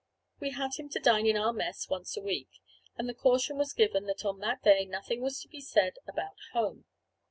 We had him to dine in our mess once a week, and the caution was given that on that day nothing was to be said about home.